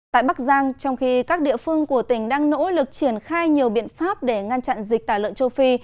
tại bắc giang trong khi các địa phương của tỉnh đang nỗ lực triển khai nhiều biện pháp để ngăn chặn dịch tả lợn châu phi